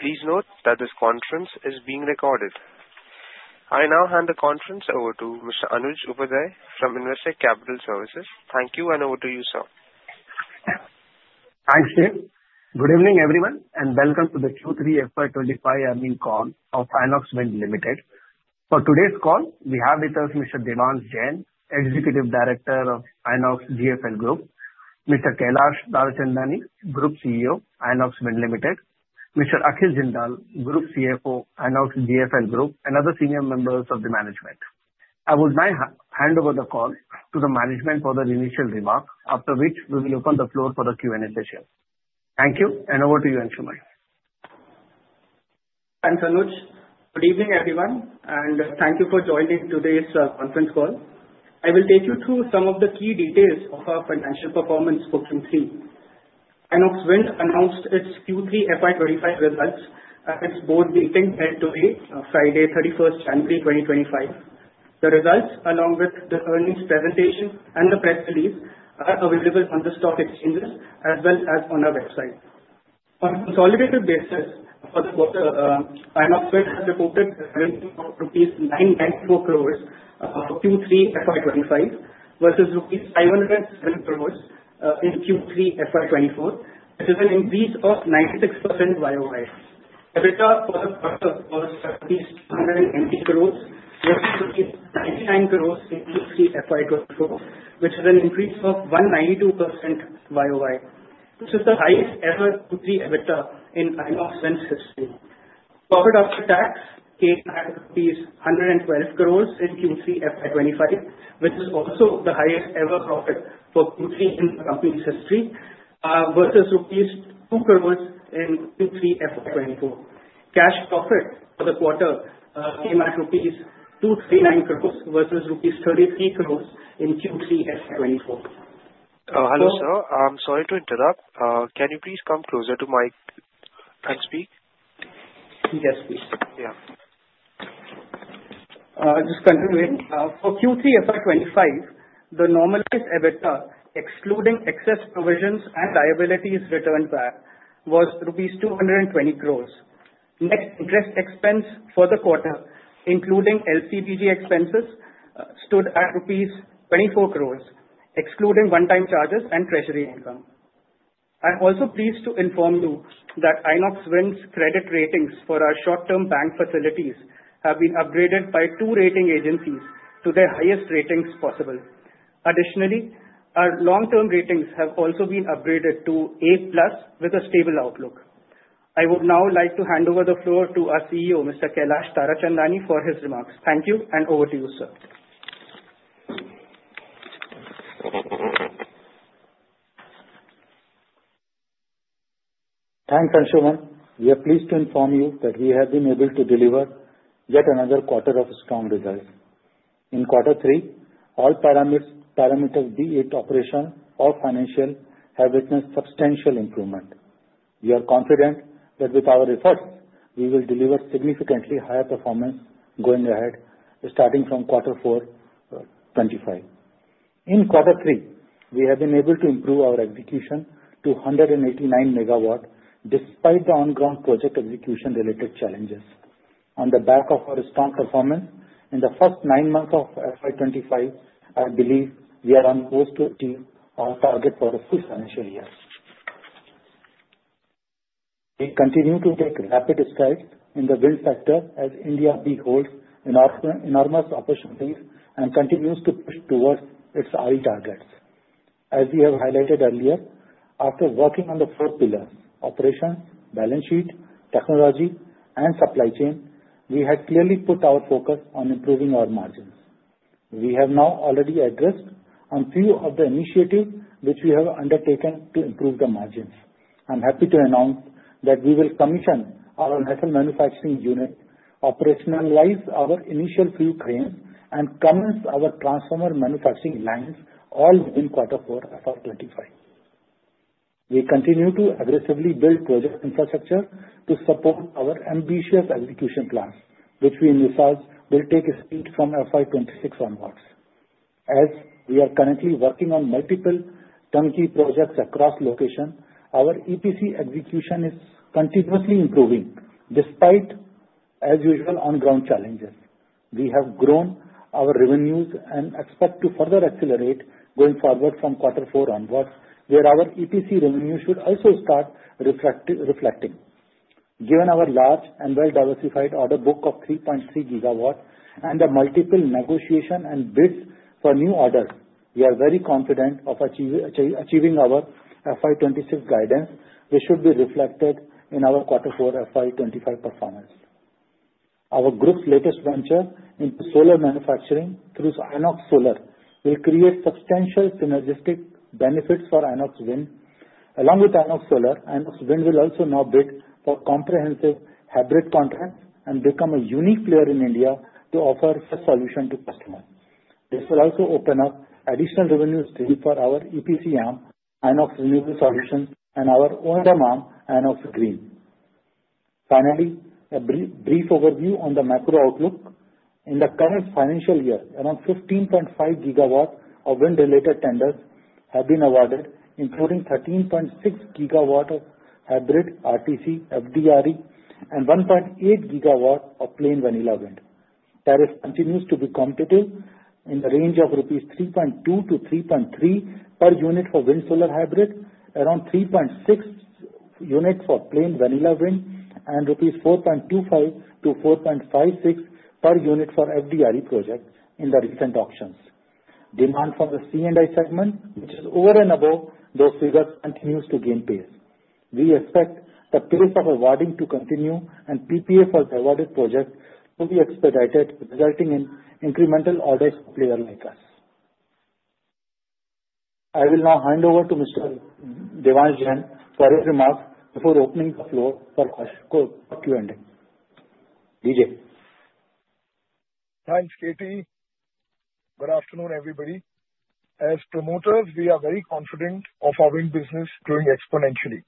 Please note that this conference is being recorded. I now hand the conference over to Mr. Anuj Upadhyay from Investec Capital Services. Thank you, and over to you, sir. Thanks, Shiv. Good evening, everyone, and welcome to the Q3 FY25 earnings call of Inox Wind Limited. For today's call, we have with us Mr. Devansh Jain, Executive Director of Inox GFL Group, Mr. Kailash Tarachandani, Group CEO, Inox Wind Limited, Mr. Akhil Jindal, Group CFO, Inox GFL Group, and other senior members of the management. I would now hand over the call to the management for their initial remarks, after which we will open the floor for the Q&A session. Thank you, and over to you, Anshuman. Thanks, Anuj. Good evening, everyone, and thank you for joining today's conference call. I will take you through some of the key details of our financial performance for Q3. Inox Wind announced its Q3 FY25 results at its board meeting held today, Friday, 31st January 2025. The results, along with the earnings presentation and the press release, are available on the stock exchanges as well as on our website. On a consolidated basis, Inox Wind has reported a revenue of rupees 994 crores for Q3 FY25 versus rupees 507 crores in Q3 FY24, which is an increase of 96% year-over-year. EBITDA for the quarter was INR 280 crores versus INR 99 crores in Q3 FY24, which is an increase of 192% year-over-year. This is the highest-ever Q3 EBITDA in Inox Wind's history. Profit after tax came at INR 112 crores in Q3 FY25, which is also the highest-ever profit for Q3 in the company's history versus rupees 2 crores in Q3 FY24. Cash profit for the quarter came at rupees 239 crores versus rupees 33 crores in Q3 FY24. Hello, sir. I'm sorry to interrupt. Can you please come closer to my hands? Yes, please. Yeah. Just continuing. For Q3 FY25, the normalized EBITDA, excluding excess provisions and liabilities returned back, was rupees 220 crores. Next, interest expense for the quarter, including LCBG expenses, stood at rupees 24 crores, excluding one-time charges and treasury income. I'm also pleased to inform you that Inox Wind's credit ratings for our short-term bank facilities have been upgraded by two rating agencies to their highest ratings possible. Additionally, our long-term ratings have also been upgraded to A+ with a stable outlook. I would now like to hand over the floor to our CEO, Mr. Kailash Tarachandani, for his remarks. Thank you, and over to you, sir. Thanks, Anshuman. We are pleased to inform you that we have been able to deliver yet another quarter of strong results. In Q3, all parameters, be it operational or financial, have witnessed substantial improvement. We are confident that with our efforts, we will deliver significantly higher performance going ahead, starting from Q4 25. In Q3, we have been able to improve our execution to 189 MW despite the on-ground project execution-related challenges. On the back of our strong performance in the first nine months of FY25, I believe we are on course to achieve our target for the full financial year. We continue to take rapid strides in the wind sector as India beholds enormous opportunities and continues to push towards its early targets. As we have highlighted earlier, after working on the four pillars: operations, balance sheet, technology, and supply chain, we had clearly put our focus on improving our margins. We have now already addressed a few of the initiatives which we have undertaken to improve the margins. I'm happy to announce that we will commission our metal manufacturing unit, operationalize our initial few cranes, and commence our transformer manufacturing lines, all within Q4 FY25. We continue to aggressively build project infrastructure to support our ambitious execution plans, which we in this house will take a seat from FY26 onwards. As we are currently working on multiple turnkey projects across locations, our EPC execution is continuously improving despite, as usual, on-ground challenges. We have grown our revenues and expect to further accelerate going forward from Q4 onwards, where our EPC revenues should also start reflecting. Given our large and well-diversified order book of 3.3 GW and the multiple negotiations and bids for new orders, we are very confident of achieving our FY26 guidance, which should be reflected in our Q4 FY25 performance. Our group's latest venture into solar manufacturing through Inox Solar will create substantial synergistic benefits for Inox Wind. Along with Inox Solar, Inox Wind will also now bid for comprehensive hybrid contracts and become a unique player in India to offer a solution to customers. This will also open up additional revenues for our EPC arm, Inox Renewable Solutions, and our O&M arm, Inox Green. Finally, a brief overview on the macro outlook. In the current financial year, around 15.5 gigawatts of wind-related tenders have been awarded, including 13.6 GW of hybrid RTC FDRE and 1.8 GW of plain vanilla wind. Tariff continues to be competitive in the range of 3.2-3.3 rupees per unit for wind-solar hybrid, around 3.6 per unit for plain vanilla wind, and 4.25-4.56 rupees per unit for FDRE projects in the recent auctions. Demand from the C&I segment, which is over and above those figures, continues to gain pace. We expect the pace of awarding to continue and PPA for the awarded projects to be expedited, resulting in incremental orders for players like us. I will now hand over to Mr. Devansh Jain for his remarks before opening the floor for Q&A. Thanks, Katie. Good afternoon, everybody. As promoters, we are very confident of our wind business growing exponentially,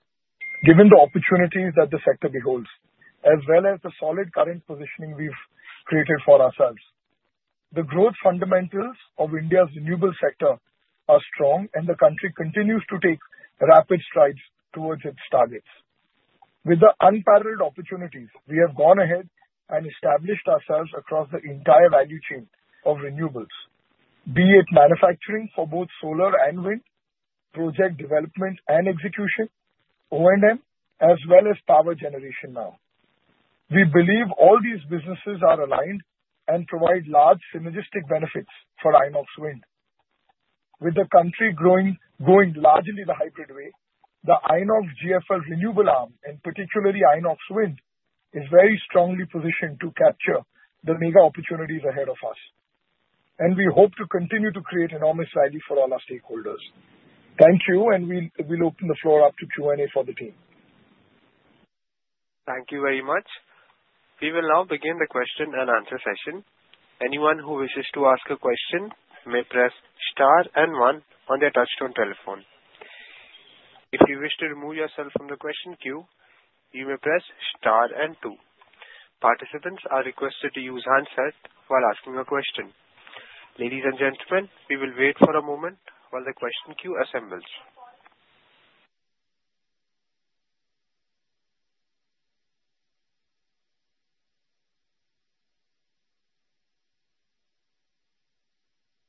given the opportunities that the sector beholds, as well as the solid current positioning we've created for ourselves. The growth fundamentals of India's renewable sector are strong, and the country continues to take rapid strides towards its targets. With the unparalleled opportunities, we have gone ahead and established ourselves across the entire value chain of renewables, be it manufacturing for both solar and wind, project development and execution, O&M, as well as power generation now. We believe all these businesses are aligned and provide large synergistic benefits for Inox Wind. With the country going largely the hybrid way, the Inox GFL's renewable arm, and particularly Inox Wind, is very strongly positioned to capture the mega opportunities ahead of us, and we hope to continue to create enormous value for all our stakeholders. Thank you, and we'll open the floor up to Q&A for the team. Thank you very much. We will now begin the question and answer session. Anyone who wishes to ask a question may press star and one on their touch-tone telephone. If you wish to remove yourself from the question queue, you may press star and two. Participants are requested to use handsets while asking a question. Ladies and gentlemen, we will wait for a moment while the question queue assembles.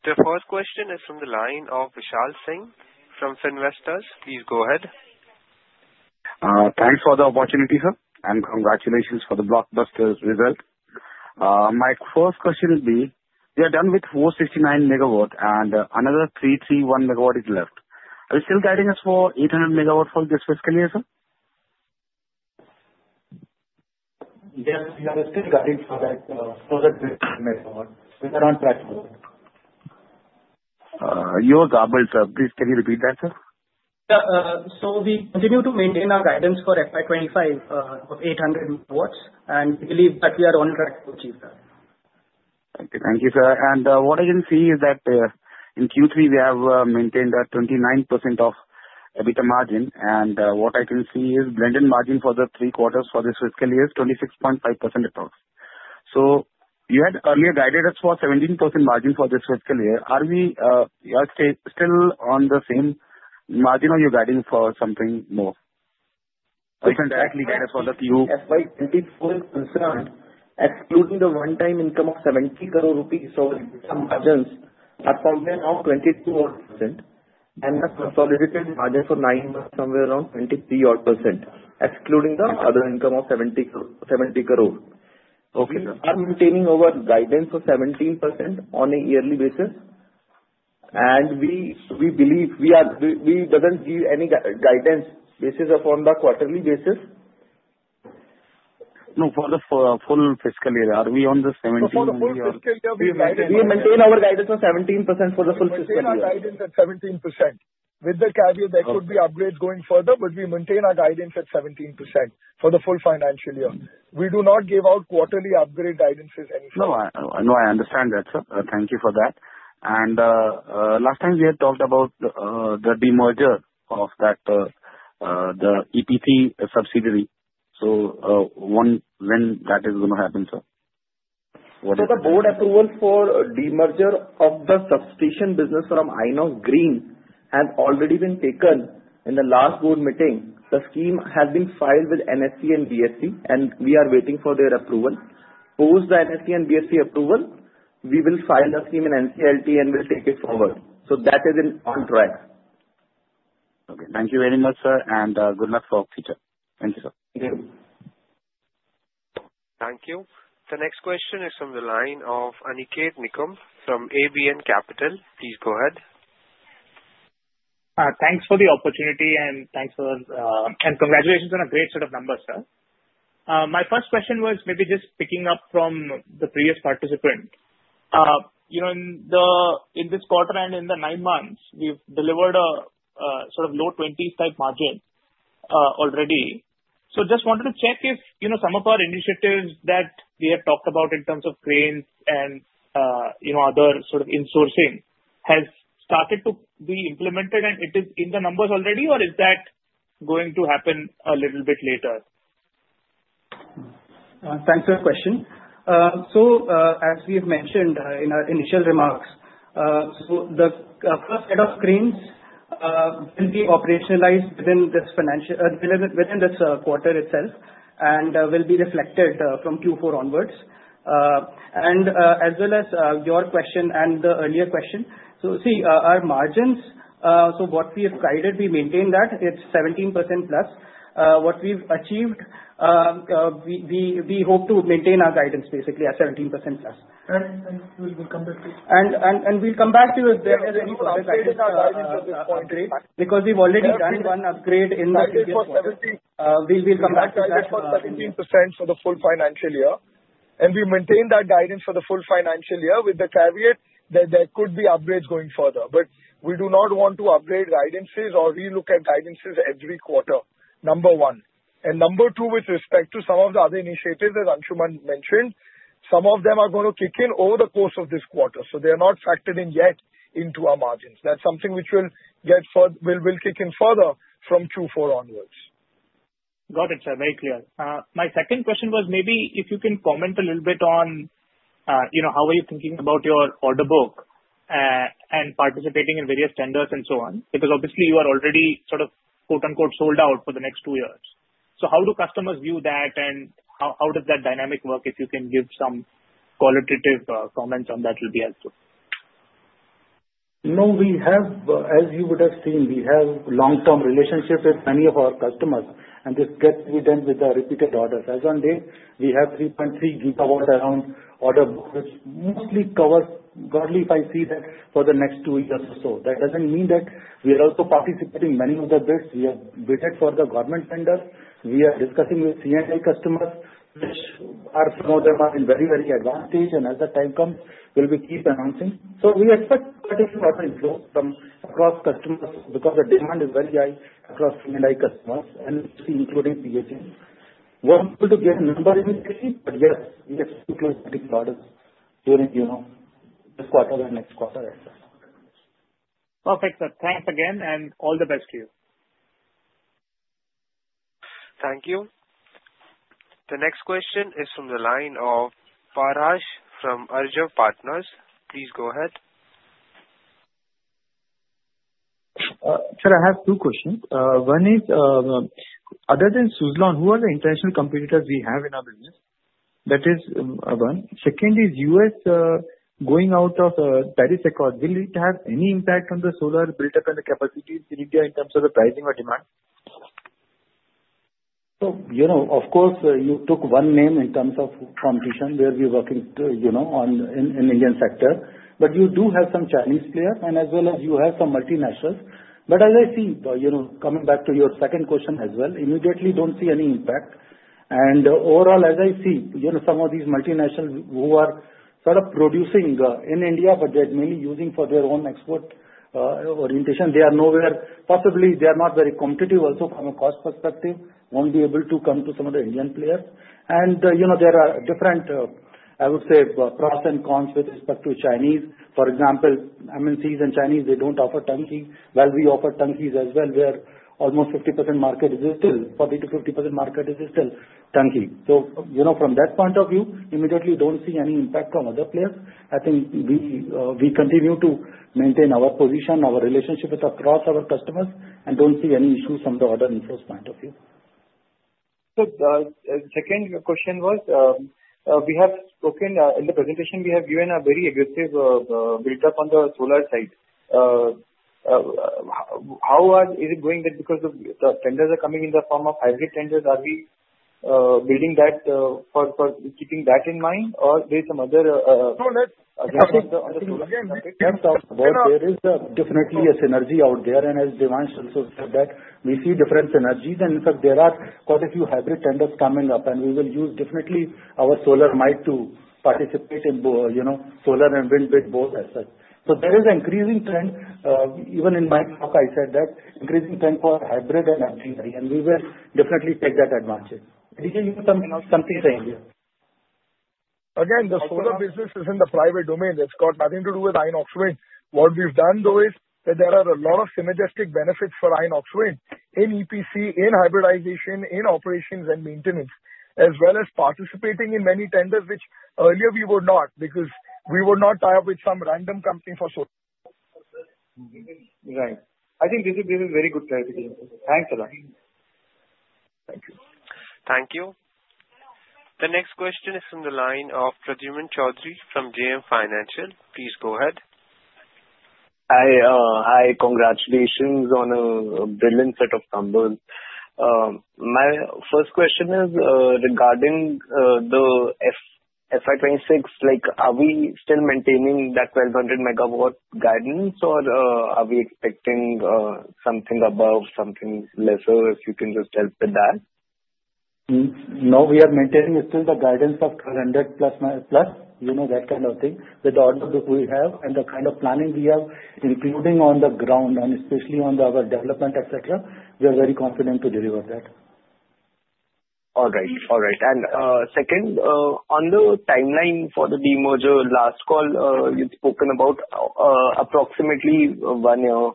The first question is from the line of Vishal Singh from Investec. Please go ahead. Thanks for the opportunity, sir, and congratulations for the blockbuster result. My first question would be, we are done with 469 MW, and another 331 MW is left. Are you still guiding us for 800 MW for this fiscal year, sir? Yes, we are still guiding for that further 330 MW. We are on track for it. You're garbled, sir. Please can you repeat that, sir? Yeah. So we continue to maintain our guidance for FY25 of 800 MW, and we believe that we are on track to achieve that. Thank you. Thank you, sir. And what I can see is that in Q3, we have maintained a 29% of EBITDA margin, and what I can see is blended margin for the three quarters for this fiscal year is 26.5% across. So you had earlier guided us for a 17% margin for this fiscal year. Are we still on the same margin, or are you guiding for something more? You can directly guide us for the Q. FY24 is concerned, excluding the one-time income of INR 70 crore, so the margins are somewhere around 22%, and the consolidated margin for nine months is somewhere around 23%, excluding the other income of 70 crore. We are maintaining our guidance of 17% on a yearly basis, and we believe we do not give any guidance based upon the quarterly basis. No, for the full fiscal year, are we on the 17%? For the full fiscal year, we maintain our guidance of 17% for the full fiscal year. We maintain our guidance at 17%. With the caveat that there could be upgrades going further, but we maintain our guidance at 17% for the full financial year. We do not give out quarterly upgrade guidances any further. No, I understand that, sir. Thank you for that. And last time, we had talked about the demerger of the EPC subsidiary. So when that is going to happen, sir? The board approval for demerger of the substation business from Inox Green has already been taken in the last board meeting. The scheme has been filed with NSE and BSE, and we are waiting for their approval. Post the NSE and BSE approval, we will file the scheme in NCLT and will take it forward. That is on track. Okay. Thank you very much, sir, and good luck for the future. Thank you, sir. Thank you. Thank you. The next question is from the line of Aniket Nikam from ABN Capital. Please go ahead. Thanks for the opportunity, and thanks for the... And congratulations on a great set of numbers, sir. My first question was maybe just picking up from the previous participant. In this quarter and in the nine months, we've delivered a sort of low 20s type margin already. So just wanted to check if some of our initiatives that we have talked about in terms of cranes and other sort of insourcing has started to be implemented, and it is in the numbers already, or is that going to happen a little bit later? Thanks for the question. So, as we have mentioned in our initial remarks, the first set of cranes will be operationalized within this quarter itself and will be reflected from Q4 onwards. And as well as your question and the earlier question, so see, our margins, so what we have guided, we maintain that it's 17% plus. What we've achieved, we hope to maintain our guidance basically at 17% plus. And we'll come back to you. We'll come back to you if there is any further guidance. We'll upgrade our guidance at this point, right? Because we've already done one upgrade in the previous quarter. We'll come back to that. We'll go for 17% for the full financial year, and we maintain that guidance for the full financial year with the caveat that there could be upgrades going further. But we do not want to upgrade guidances or re-look at guidances every quarter, number one. And number two, with respect to some of the other initiatives, as Anshuman mentioned, some of them are going to kick in over the course of this quarter, so they are not factored in yet into our margins. That's something which will kick in further from Q4 onwards. Got it, sir. Very clear. My second question was maybe if you can comment a little bit on how are you thinking about your order book and participating in various tenders and so on, because obviously you are already sort of "sold out" for the next two years. So how do customers view that, and how does that dynamic work if you can give some qualitative comments on that will be helpful? No, as you would have seen, we have long-term relationships with many of our customers, and this gets redone with the repeated orders. As of today, we have 3.3 GW in order books, which mostly covers roughly 50 for the next two years or so. That doesn't mean that we are also participating in many of the bids. We have bid for the government tenders. We are discussing with C&I customers, some of which are in very, very advanced stage, and as the time comes, we'll keep announcing. So we expect to continue order inflows from across customers because the demand is very high across C&I customers, including PHA. We're hoping to get a number in between, but yes, we have to close bidding orders during this quarter and next quarter as well. Perfect, sir. Thanks again, and all the best to you. Thank you. The next question is from the line of Raaj from Arjav Partners. Please go ahead. Sir, I have two questions. One is, other than Suzlon, who are the international competitors we have in our business? That is one. Second is, U.S. going out of Paris Accord, will it have any impact on the solar buildup and the capacities in India in terms of the pricing or demand? So of course, you took one name in terms of competition where we are working in the Indian sector, but you do have some Chinese players, and as well as you have some multinationals. But as I see, coming back to your second question as well, immediately don't see any impact. And overall, as I see, some of these multinationals who are sort of producing in India, but they're mainly using for their own export orientation, they are nowhere possibly. They are not very competitive also from a cost perspective, won't be able to come to some of the Indian players. And there are different, I would say, pros and cons with respect to Chinese. For example, MNCs and Chinese, they don't offer turnkey. Well, we offer turnkeys as well, where almost 50% market is still 40%-50% market is still turnkey. So from that point of view, immediately don't see any impact from other players. I think we continue to maintain our position, our relationship across our customers, and don't see any issues from the order inflows point of view. So the second question was, we have spoken in the presentation, we have given a very aggressive buildup on the solar side. How is it going that because the tenders are coming in the form of hybrid tenders, are we building that for keeping that in mind, or there is some other aggression on the solar side? Yes, sir. There is definitely a synergy out there, and as Devansh also said that we see different synergies, and in fact, there are quite a few hybrid tenders coming up, and we will use definitely our solar might to participate in solar and wind bid both as such. So there is an increasing trend, even in my talk, I said that increasing trend for hybrid and MGI, and we will definitely take that advantage. Did you use something saying here? Again, the solar business is in the private domain. It's got nothing to do with Inox Wind. What we've done, though, is that there are a lot of synergistic benefits for Inox Wind in EPC, in hybridization, in operations and maintenance, as well as participating in many tenders, which earlier we were not because we were not tied up with some random company for solar. Right. I think this is very good clarification. Thanks a lot. Thank you. Thank you. The next question is from the line of Pradyumna Choudhary from JM Financial. Please go ahead. Hi. Congratulations on a brilliant set of numbers. My first question is regarding the FY26, are we still maintaining that 1,200 MW guidance, or are we expecting something above, something lesser? If you can just help with that. No, we are maintaining still the guidance of 1200 plus, that kind of thing. With the order book we have and the kind of planning we have, including on the ground, and especially on our development, etc., we are very confident to deliver that. All right. All right. And second, on the timeline for the demerger, last call, you've spoken about approximately one year.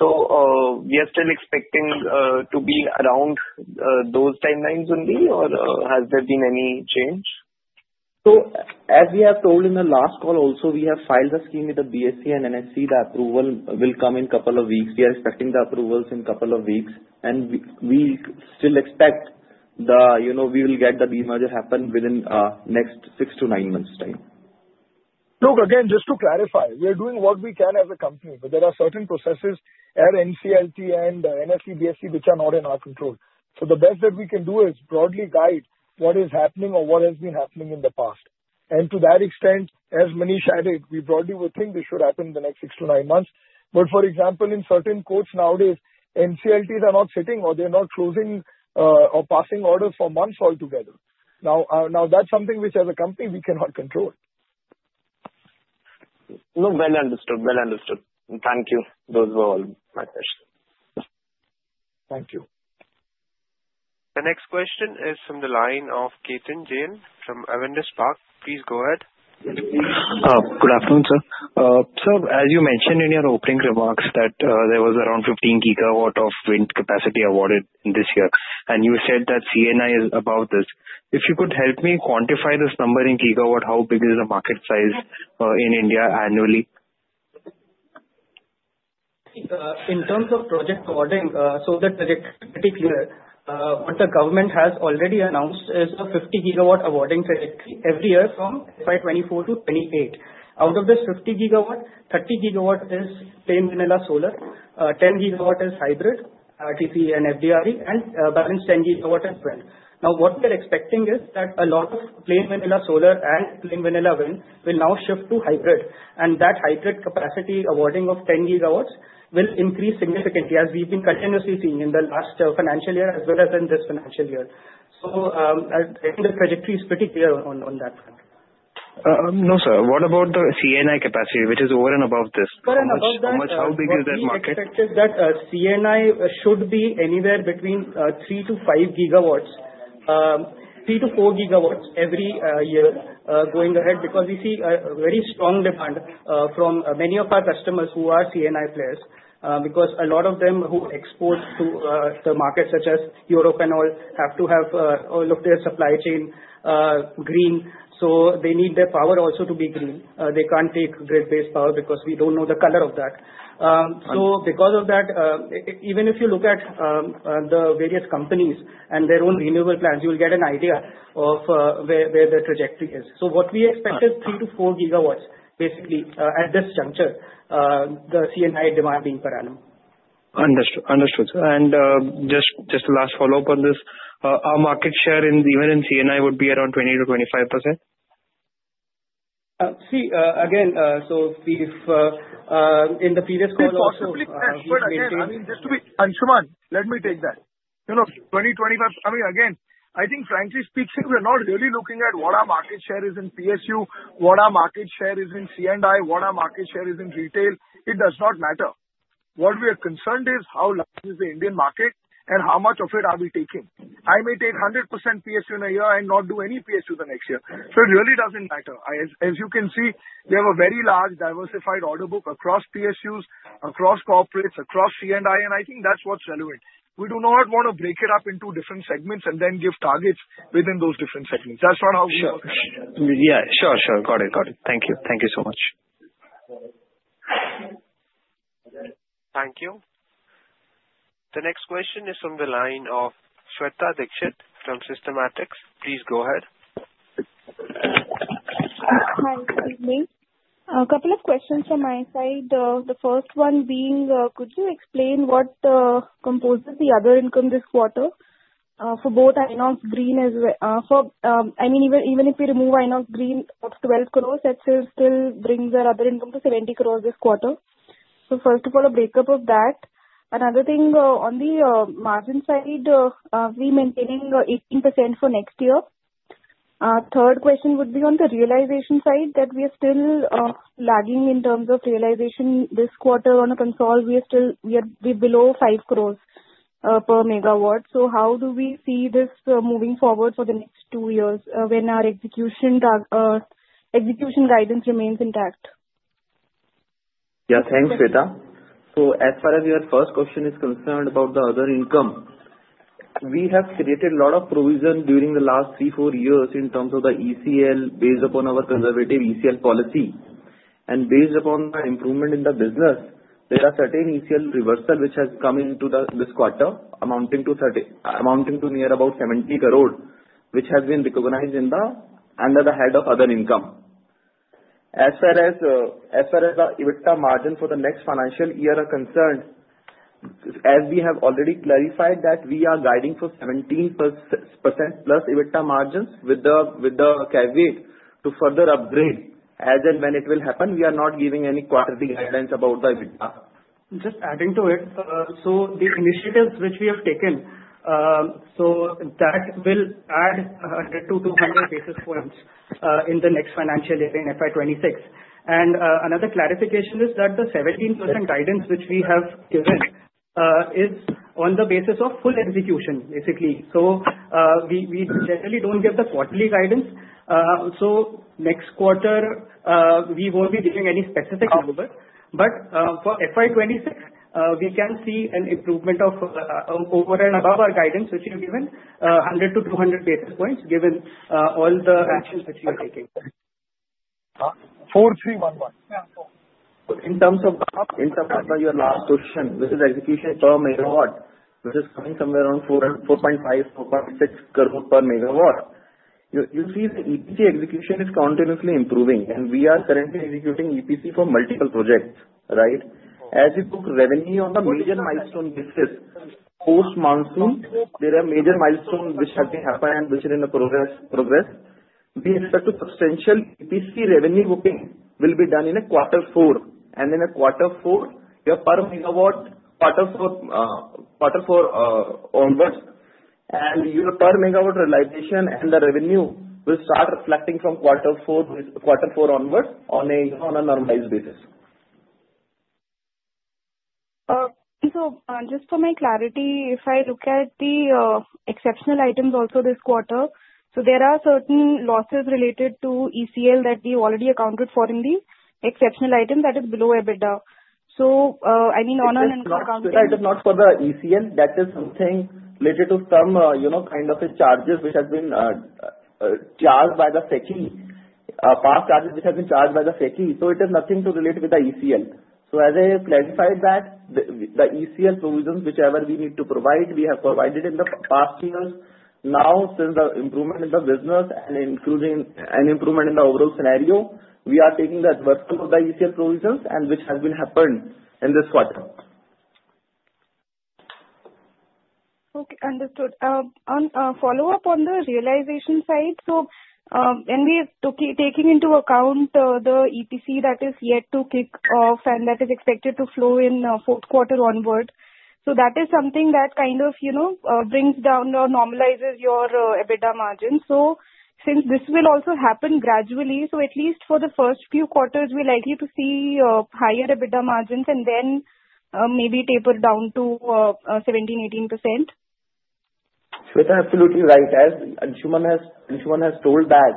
So we are still expecting to be around those timelines only, or has there been any change? As we have told in the last call, also, we have filed the scheme with the BSE and NSE. The approval will come in a couple of weeks. We are expecting the approvals in a couple of weeks, and we still expect that we will get the demerger happen within the next six-to-nine months' time. Look, again, just to clarify, we are doing what we can as a company, but there are certain processes at NCLT and NSE, BSE, which are not in our control. So the best that we can do is broadly guide what is happening or what has been happening in the past. And to that extent, as Manish added, we broadly would think this should happen in the next six-to-nine months. But for example, in certain courts nowadays, NCLTs are not sitting or they're not closing or passing orders for months altogether. Now, that's something which, as a company, we cannot control. No, well understood. Well understood. Thank you. Those were all my questions. Thank you. The next question is from the line of Ketan Jain from Avendus Spark. Please go ahead. Good afternoon, sir. Sir, as you mentioned in your opening remarks that there was around 15 gigawatts of wind capacity awarded this year, and you said that C&I is above this. If you could help me quantify this number in gigawatts, how big is the market size in India annually? In terms of project awarding, so the trajectory, to be clear, what the government has already announced is a 50 GW awarding trajectory every year from FY24 to 28. Out of this 50 GW, 30 GW is plain vanilla solar, 10 GW is hybrid, RTC and FDRE, and balance 10 GW is wind. Now, what we are expecting is that a lot of plain vanilla solar and plain vanilla wind will now shift to hybrid, and that hybrid capacity awarding of 10 GW will increase significantly, as we've been continuously seeing in the last financial year as well as in this financial year. So I think the trajectory is pretty clear on that front. No, sir. What about the C&I capacity, which is over and above this? Over and above that. How big is that market? The expectation is that C&I should be anywhere between three to five gigawatts, three to four gigawatts every year going ahead because we see a very strong demand from many of our customers who are C&I players because a lot of them who export to the market, such as Europe and all, have to have all of their supply chain green, so they need their power also to be green. They can't take grid-based power because we don't know the color of that, so because of that, even if you look at the various companies and their own renewable plans, you'll get an idea of where the trajectory is, so what we expect is three to four gigawatts, basically, at this juncture, the C&I demand being parallel. Understood. And just a last follow-up on this, our market share even in C&I would be around 20%-25%? See, again, so in the previous call also. I mean, just to be Anshuman, let me take that. You know, 2025, I mean, again, I think frankly speaking, we're not really looking at what our market share is in PSU, what our market share is in C&I, what our market share is in retail. It does not matter. What we are concerned is how large is the Indian market and how much of it are we taking. I may take 100% PSU in a year and not do any PSU the next year. So it really doesn't matter. As you can see, we have a very large diversified order book across PSUs, across corporates, across C&I, and I think that's what's relevant. We do not want to break it up into different segments and then give targets within those different segments. That's not how we work. Yeah. Sure, sure. Got it. Got it. Thank you. Thank you so much. Thank you. The next question is from the line of Shweta Dikshit from Systematix. Please go ahead. Hi. Excuse me. A couple of questions from my side. The first one being, could you explain what composes the other income this quarter for both Inox Green as well? I mean, even if we remove Inox Green of 12 crores, that still brings our other income to 70 crores this quarter. So first of all, a breakup of that. Another thing on the margin side, we are maintaining 18% for next year. Third question would be on the realization side that we are still lagging in terms of realization this quarter. On a consol, we are below 5 crores per megawatt. So how do we see this moving forward for the next two years when our execution guidance remains intact? Yeah. Thanks, Shweta. So as far as your first question is concerned about the other income, we have created a lot of provision during the last three, four years in terms of the ECL based upon our conservative ECL policy. And based upon the improvement in the business, there are certain ECL reversal which has come into this quarter, amounting to near about 70 crore, which has been recognized under the head of other income. As far as the EBITDA margin for the next financial year are concerned, as we have already clarified that we are guiding for 17% plus EBITDA margins with the caveat to further upgrade. As and when it will happen, we are not giving any quarterly guidelines about the EBITDA. Just adding to it, so the initiatives which we have taken, so that will add 100 to 200 basis points in the next financial year in FY26. And another clarification is that the 17% guidance which we have given is on the basis of full execution, basically. So we generally don't give the quarterly guidance. So next quarter, we won't be giving any specific number. But for FY26, we can see an improvement of over and above our guidance, which we've given 100 to 200 basis points given all the actions which we are taking. In terms of your last question, which is execution per megawatt, which is coming somewhere around 4.5-4.6 crore per megawatt, you see the EPC execution is continuously improving, and we are currently executing EPC for multiple projects, right? As we book revenue on a major milestone basis, post monsoon, there are major milestones which have been happened and which are in the progress. We expect to substantial EPC revenue booking will be done in a quarter four. And in a quarter four, your per megawatt, quarter four onwards, and your per megawatt realization and the revenue will start reflecting from quarter four onwards on a normalized basis. Just for my clarity, if I look at the exceptional items also this quarter, so there are certain losses related to ECL that we already accounted for in the exceptional item that is below EBITDA. I mean, on an accounting. It is not for the ECL. That is something related to some kind of charges which have been charged by the NCLT, past charges which have been charged by the NCLT. So it has nothing to relate with the ECL. So as I clarified that, the ECL provisions, whichever we need to provide, we have provided in the past years. Now, since the improvement in the business and improvement in the overall scenario, we are taking the reversal of the ECL provisions and which has been happened in this quarter. Okay. Understood. On a follow-up on the realization side, so when we are taking into account the EPC that is yet to kick off and that is expected to flow in fourth quarter onward, so that is something that kind of brings down or normalizes your EBITDA margin. So since this will also happen gradually, so at least for the first few quarters, we're likely to see higher EBITDA margins and then maybe taper down to 17%-18%. Shweta, absolutely right. As Anshuman has told that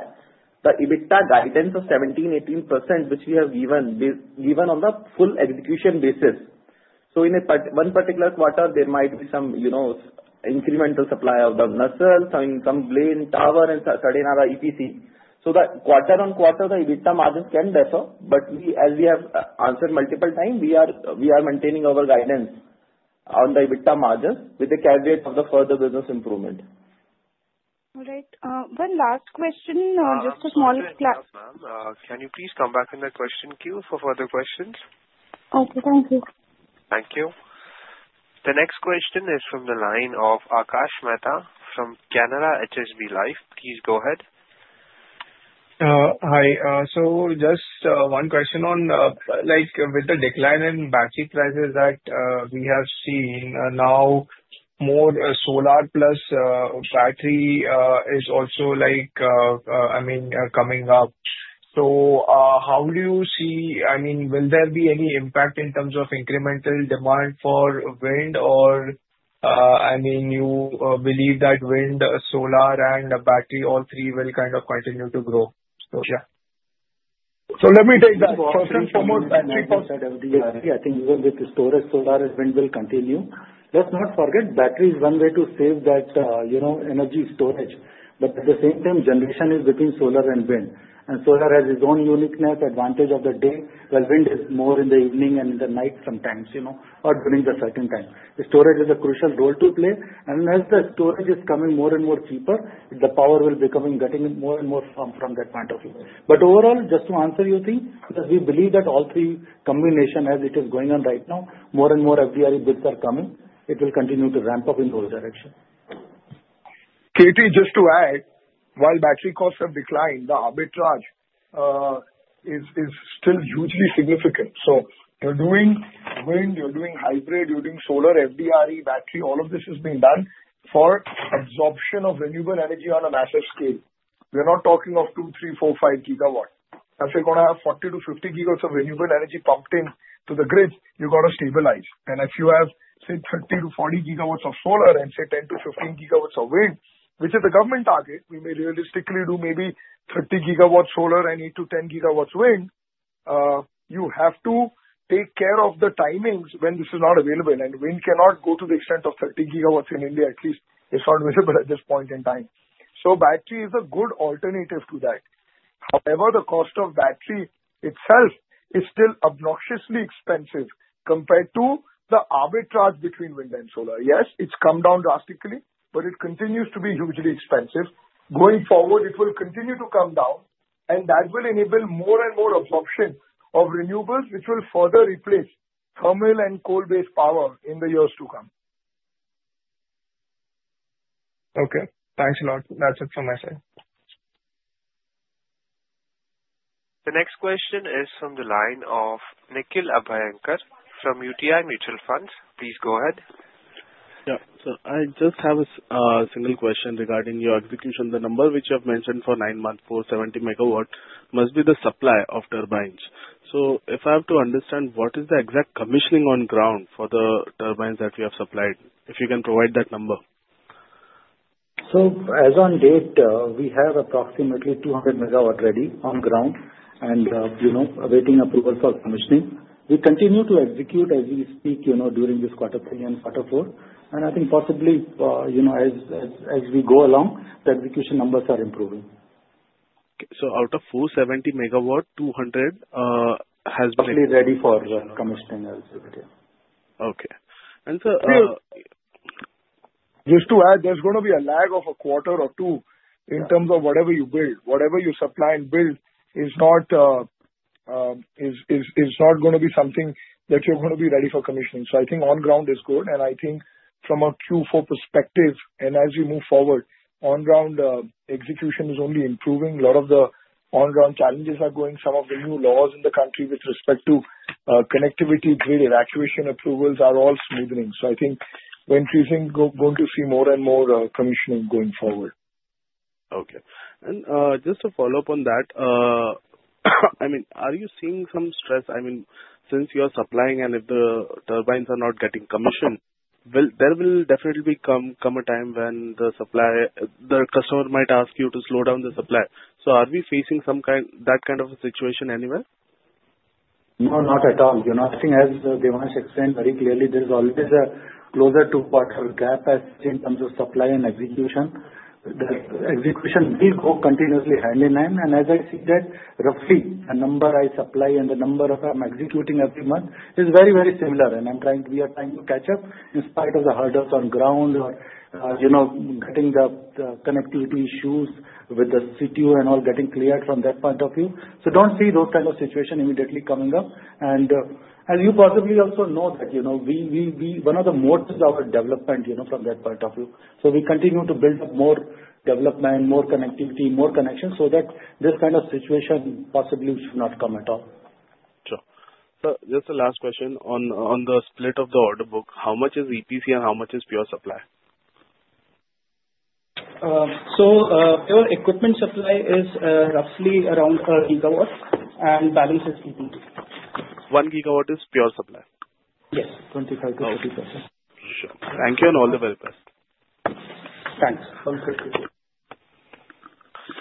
the EBITDA guidance of 17%-18%, which we have given on the full execution basis. So in one particular quarter, there might be some incremental supply of the nacelle, some blade in tower, and suddenly another EPC. So that quarter on quarter, the EBITDA margins can differ up. But as we have answered multiple times, we are maintaining our guidance on the EBITDA margins with the caveat of the further business improvement. All right. One last question, just a small. Can you please come back in the question queue for further questions? Okay. Thank you. Thank you. The next question is from the line of Akash Mehta from Canara HSBC Life. Please go ahead. Hi. So just one question on with the decline in battery prices that we have seen, now more solar plus battery is also, I mean, coming up. So how do you see, I mean, will there be any impact in terms of incremental demand for wind, or I mean, you believe that wind, solar, and battery, all three will kind of continue to grow? So, yeah. So let me take that. First and foremost, battery cost. Yeah. I think even with the storage, solar and wind will continue. Let's not forget battery is one way to save that energy storage. But at the same time, generation is between solar and wind. And solar has its own uniqueness, advantage of the day. Well, wind is more in the evening and in the night sometimes, or during the certain time. Storage is a crucial role to play. And as the storage is coming more and more cheaper, the power will be getting more and more from that point of view. But overall, just to answer your thing, because we believe that all three combination, as it is going on right now, more and more FDRE bids are coming, it will continue to ramp up in those directions. Katie, just to add, while battery costs have declined, the arbitrage is still hugely significant. So you're doing wind, you're doing hybrid, you're doing solar, FDRE, battery, all of this is being done for absorption of renewable energy on a massive scale. We're not talking of two, three, four, five gigawatts. If you're going to have 40 to 50 gigawatts of renewable energy pumped into the grid, you've got to stabilize. And if you have, say, 30 to 40 gigawatts of solar and, say, 10 to 15 gigawatts of wind, which is the government target, we may realistically do maybe 30 gigawatts solar and 8 to 10 gigawatts wind, you have to take care of the timings when this is not available. And wind cannot go to the extent of 30 GW in India, at least. It's not visible at this point in time. So battery is a good alternative to that. However, the cost of battery itself is still obnoxiously expensive compared to the arbitrage between wind and solar. Yes, it's come down drastically, but it continues to be hugely expensive. Going forward, it will continue to come down, and that will enable more and more absorption of renewables, which will further replace thermal and coal-based power in the years to come. Okay. Thanks a lot. That's it from my side. The next question is from the line of Nikhil Abhyankar from UTI Mutual Fund. Please go ahead. Yeah. So I just have a single question regarding your execution. The number which you have mentioned for nine months for 70 megawatts must be the supply of turbines. So if I have to understand, what is the exact commissioning on ground for the turbines that you have supplied? If you can provide that number. As of today, we have approximately ready on ground and awaiting approval for commissioning. We continue to execute as we speak during this quarter three and quarter four. And I think possibly as we go along, the execution numbers are improving. Okay. So out of 470 MW, 200 MW has been. Probably ready for commissioning as well. Okay, and so. Just to add, there's going to be a lag of a quarter or two in terms of whatever you build. Whatever you supply and build is not going to be something that you're going to be ready for commissioning. So I think on ground is good. And I think from a Q4 perspective, and as we move forward, on ground execution is only improving. A lot of the on ground challenges are going. Some of the new laws in the country with respect to connectivity, grid evacuation approvals are all smoothening. So I think we're going to see more and more commissioning going forward. Okay. And just to follow up on that, I mean, are you seeing some stress? I mean, since you are supplying and if the turbines are not getting commissioned, there will definitely come a time when the customer might ask you to slow down the supply. So are we facing that kind of a situation anywhere? No, not at all. I think as Devansh explained very clearly, there's always a closer to quarter gap in terms of supply and execution. The execution will go continuously hand in hand. And as I see that, roughly the number I supply and the number I'm executing every month is very, very similar. And I'm trying to be a time to catch up in spite of the hurdles on ground or getting the connectivity issues with the CTO and all getting cleared from that point of view. So don't see those kind of situations immediately coming up. And as you possibly also know, one of the motors of our development from that point of view. So we continue to build up more development, more connectivity, more connections so that this kind of situation possibly should not come at all. Sure. So just the last question on the split of the order book. How much is EPC and how much is pure supply? Pure equipment supply is roughly around a gigawatt and balance is EPC. One gigawatt is pure supply? Yes. 25%-30%. Sure. Thank you and all the very best. Thanks. All good.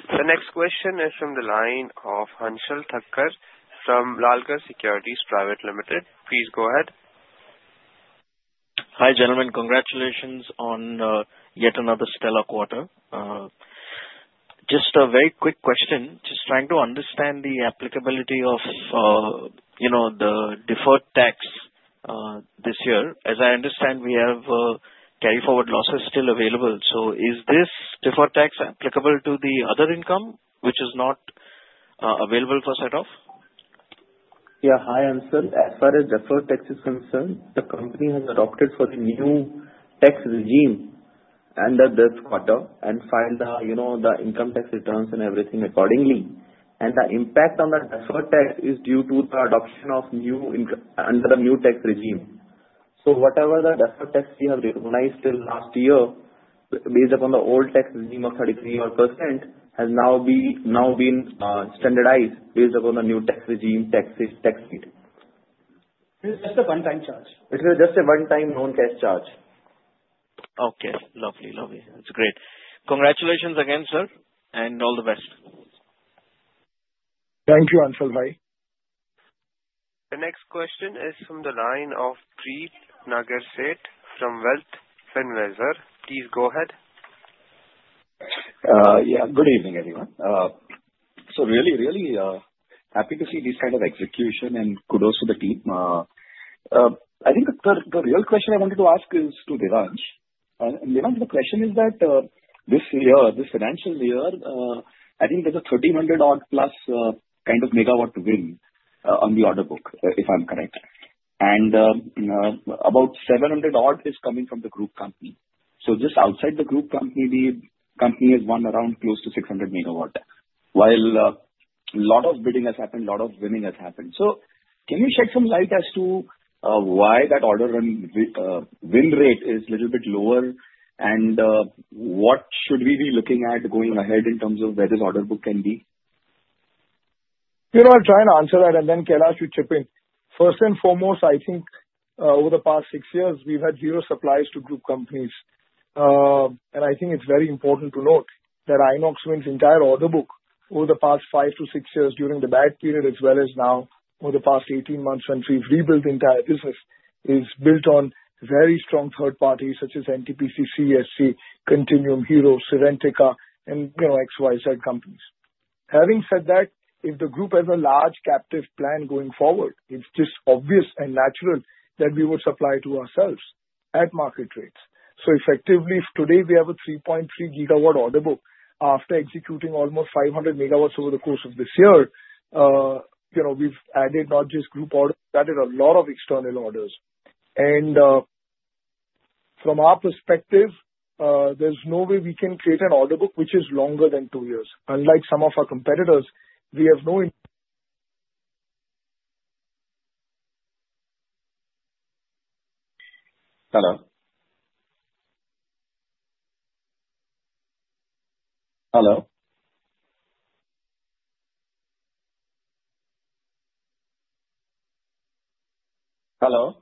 The next question is from the line of Anshul Thakkar from Lalkar Securities Private Limited. Please go ahead. Hi gentlemen. Congratulations on yet another stellar quarter. Just a very quick question. Just trying to understand the applicability of the deferred tax this year. As I understand, we have carryforward losses still available. So is this deferred tax applicable to the other income, which is not available for set-off? Yeah. Hi Anshul. As far as deferred tax is concerned, the company has adopted for the new tax regime under this quarter and filed the income tax returns and everything accordingly. And the impact on the deferred tax is due to the adoption of new under the new tax regime. So whatever the deferred tax we have recognized till last year based upon the old tax regime of 33% has now been standardized based upon the new tax regime tax rate. It's just a one-time charge. It's just a one-time known cash charge. Okay. Lovely, lovely. That's great. Congratulations again, sir, and all the best. Thank you, Anshulbhai. The next question is from the line of Preet Nagarseth from Wealth Finvisor. Please go ahead. Yeah. Good evening, everyone. So really, really happy to see this kind of execution and kudos to the team. I think the real question I wanted to ask is to Devansh. And Devansh, the question is that this year, this financial year, I think there's a 1,300-odd plus kind of megawatt to win on the order book, if I'm correct. And about 700-odd is coming from the group company. So just outside the group company, the company has won around close to 600 MW, while a lot of bidding has happened, a lot of winning has happened. So can you shed some light as to why that order win rate is a little bit lower and what should we be looking at going ahead in terms of where this order book can be? You know, I'll try and answer that, and then Kailash will chip in. First and foremost, I think over the past six years, we've had zero supplies to group companies, and I think it's very important to note that Inox Wind's entire order book over the past five to six years during the bad period, as well as now over the past 18 months since we've rebuilt the entire business, is built on very strong third parties such as NTPC, CESC, Continuum, Hero, Serentica, and XYZ companies. Having said that, if the group has a large captive plan going forward, it's just obvious and natural that we would supply to ourselves at market rates. So effectively, today we have a 3.3 GW order book after executing almost 500 MW over the course of this year. We've added not just group orders, we've added a lot of external orders. And from our perspective, there's no way we can create an order book which is longer than two years. Unlike some of our competitors, we have no. Hello? Hello? Hello? Hello?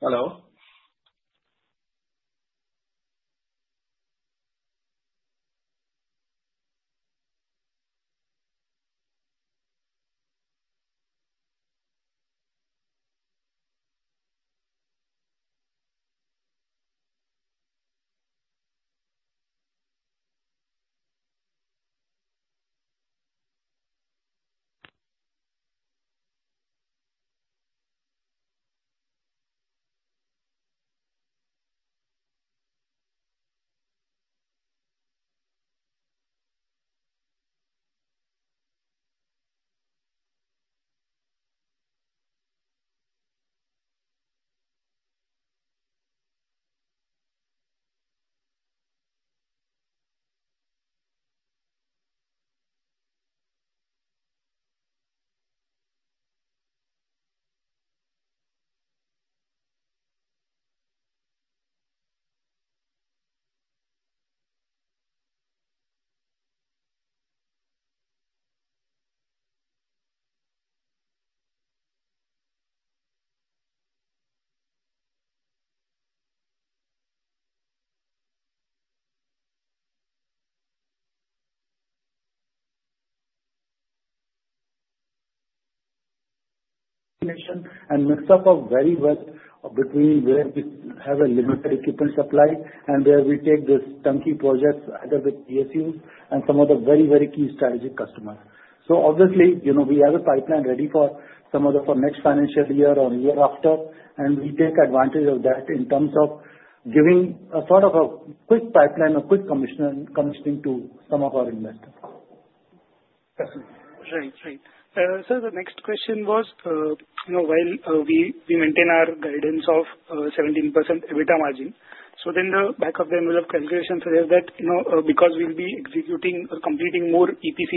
Commissioning and mix up very well between where we have a limited equipment supply and where we take these chunky projects either with PSUs and some of the very, very key strategic customers. So obviously, we have a pipeline ready for some of the next financial year or year after, and we take advantage of that in terms of giving a sort of a quick pipeline, a quick commissioning to some of our investors. Excellent. Thanks. So the next question was, while we maintain our guidance of 17% EBITDA margin, so then the back-of-the-envelope calculation suggests that because we'll be executing or completing more EPC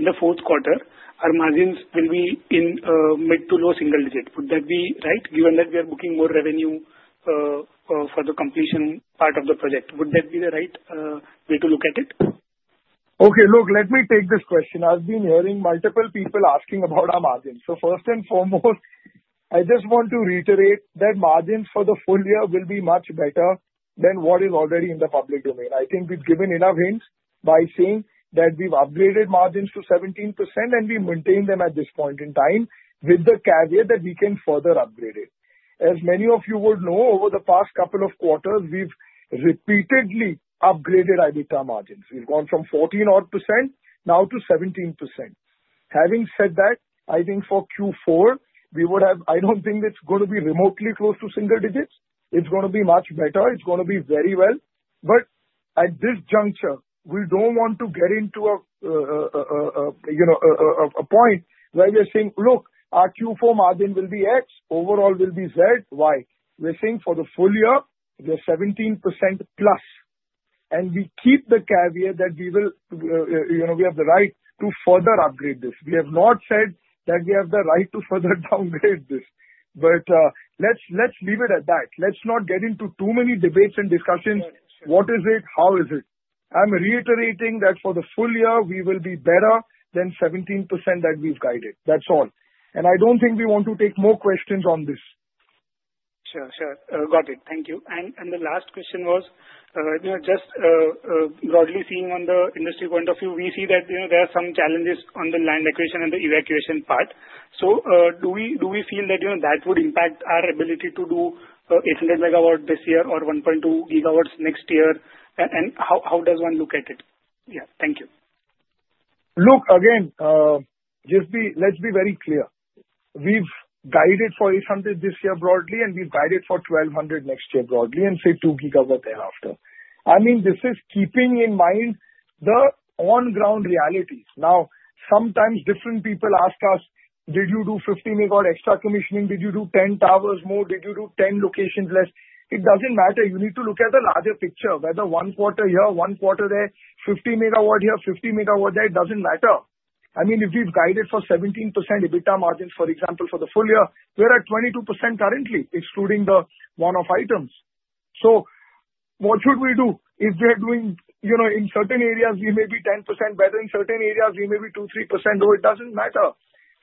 in the fourth quarter, our margins will be in mid- to low-single-digit. Would that be right, given that we are booking more revenue for the completion part of the project? Would that be the right way to look at it? Okay. Look, let me take this question. I've been hearing multiple people asking about our margins. So first and foremost, I just want to reiterate that margins for the full year will be much better than what is already in the public domain. I think we've given enough hints by saying that we've upgraded margins to 17%, and we maintain them at this point in time with the caveat that we can further upgrade it. As many of you would know, over the past couple of quarters, we've repeatedly upgraded EBITDA margins. We've gone from 14-odd% now to 17%. Having said that, I think for Q4, we would have. I don't think it's going to be remotely close to single digits. It's going to be much better. It's going to be very well. But at this juncture, we don't want to get into a point where we're saying, "Look, our Q4 margin will be X, overall will be Z, Y." We're saying for the full year, we're 17% plus. And we keep the caveat that we have the right to further upgrade this. We have not said that we have the right to further downgrade this. But let's leave it at that. Let's not get into too many debates and discussions. What is it? How is it? I'm reiterating that for the full year, we will be better than 17% that we've guided. That's all. And I don't think we want to take more questions on this. Sure. Sure. Got it. Thank you. And the last question was just broadly seeing on the industry point of view, we see that there are some challenges on the land acquisition and the evacuation part. So do we feel that that would impact our ability to do 800 MW this year or 1.2 GW next year? And how does one look at it? Yeah. Thank you. Look, again, let's be very clear. We've guided for 800 this year broadly, and we've guided for 1,200 next year broadly and say two gigawatts thereafter. I mean, this is keeping in mind the on-ground realities. Now, sometimes different people ask us, "Did you do 15 MW extra commissioning? Did you do 10 towers more? Did you do 10 locations less?" It doesn't matter. You need to look at the larger picture. Whether one quarter here, one quarter there, 15 MW here, 50 MW there, it doesn't matter. I mean, if we've guided for 17% EBITDA margins, for example, for the full year, we're at 22% currently, excluding the one-off items. So what should we do? If we are doing in certain areas, we may be 10% better. In certain areas, we may be 2%-3% lower. It doesn't matter.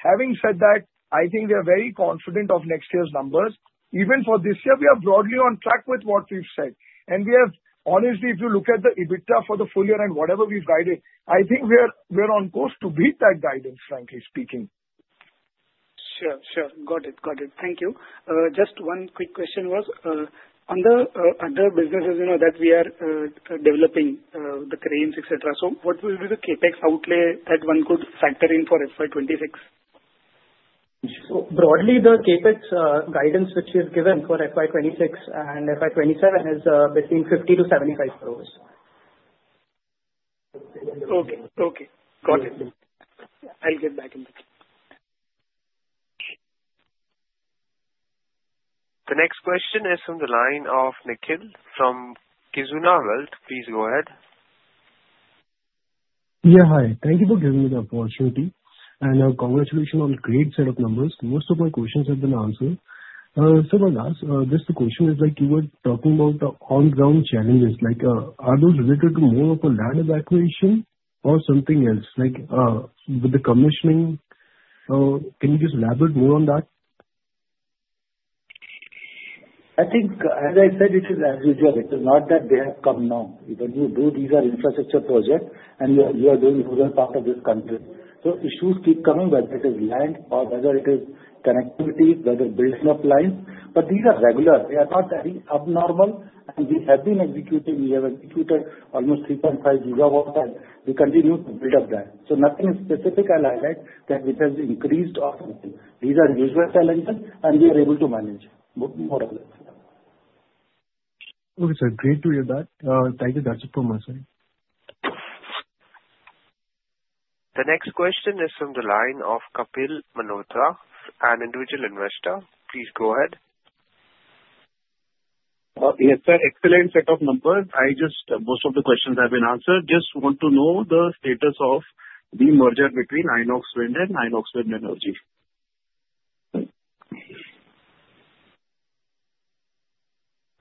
Having said that, I think we are very confident of next year's numbers. Even for this year, we are broadly on track with what we've said. And honestly, if you look at the EBITDA for the full year and whatever we've guided, I think we're on course to beat that guidance, frankly speaking. Sure. Got it. Thank you. Just one quick question was, under other businesses that we are developing, the cranes, etc., so what will be the CapEx outlay that one could factor in for FY26? So broadly, the CapEx guidance which is given for FY26 and FY27 is between 50-75 crores. Okay. Okay. Got it. I'll get back in. The next question is from the line of Nikhil from Kizuna Wealth. Please go ahead. Yeah. Hi. Thank you for giving me the opportunity and congratulations on a great set of numbers. Most of my questions have been answered, so my last, just the question is, you were talking about the on-ground challenges. Are those related to more of a land evacuation or something else with the commissioning? Can you just elaborate more on that? I think, as I said, it is as usual. It is not that they have come now. When you do these are infrastructure projects, and you are doing rural part of this country. So issues keep coming, whether it is land or whether it is connectivity, whether building up lines. But these are regular. They are not very abnormal. And we have been executing. We have executed almost 3.5 GW, and we continue to build up that. So nothing specific I'll highlight that which has increased or something. These are usual challenges, and we are able to manage more of them. Okay. So great to hear that. Thank you, that's it from my side. The next question is from the line of Kapil Manodra, an individual investor. Please go ahead. Yes, sir. Excellent set of numbers. Most of the questions have been answered. Just want to know the status of the merger between Inox Wind and Inox Wind Energy.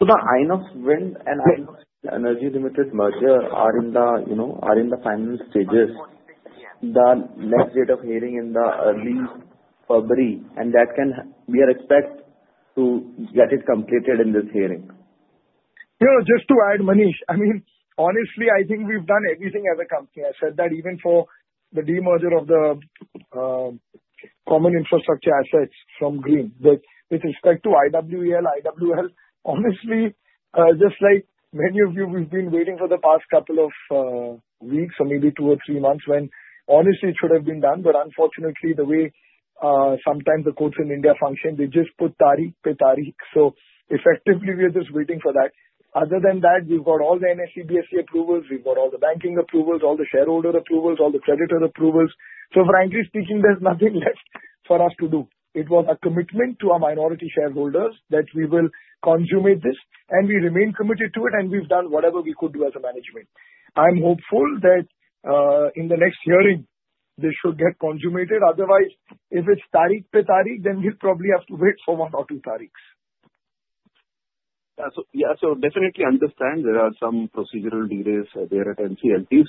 The Inox Wind and Inox Wind Energy Limited merger are in the final stages. The next date of hearing in early February. We are expected to get it completed in this hearing. Yeah. Just to add, Manish, I mean, honestly, I think we've done everything as a company. I said that even for the demerger of the common infrastructure assets from green. With respect to IWEL, IWEL, honestly, just like many of you, we've been waiting for the past couple of weeks or maybe two or three months when honestly it should have been done. But unfortunately, the way sometimes the courts in India function, they just put it off, they just delay it. So effectively, we are just waiting for that. Other than that, we've got all the NCLT, SEBI, BSE approvals. We've got all the banking approvals, all the shareholder approvals, all the creditor approvals. So frankly speaking, there's nothing left for us to do. It was a commitment to our minority shareholders that we will consummate this, and we remain committed to it, and we've done whatever we could do as a management. I'm hopeful that in the next hearing, this should get consummated. Otherwise, if it's tariff, pay tariff, then we'll probably have to wait for one or two tariffs. Yeah. So definitely understand there are some procedural delays there at NCLT.